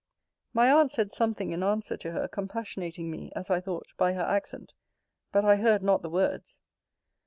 My aunt said something in answer to her, compassionating me, as I thought, by her accent: but I heard not the words.